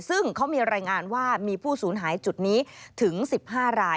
ซึ่งเขามีรายงานว่ามีผู้สูญหายจุดนี้ถึง๑๕ราย